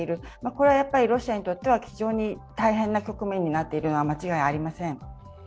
これはロシアにとっては非常に大変な局面になっているのは間違いありません。